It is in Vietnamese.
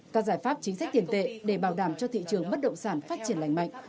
các giải pháp chính sách tiền tệ để bảo đảm cho thị trường bất động sản phát triển lành mạnh